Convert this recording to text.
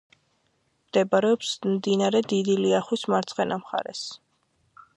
მდებარეობს მდინარე დიდი ლიახვის მარცხენა მხარეს.